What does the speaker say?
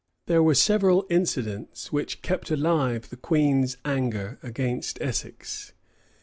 There were several incidents which kept alive the queen's anger against Essex.